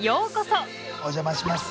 お邪魔します。